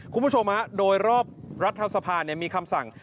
คุณผู้ชมโดยรอบรัฐสภามีคำสั่ง